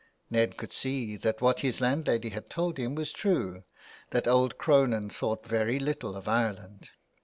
Ned could see that what his landlady had told him was true — that old Cronin thought very little of Ireland.